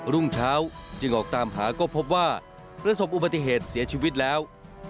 รุ่งเช้าจึงออกตามหาก็พบว่าประสบอุบัติเหตุเสียชีวิตแล้ว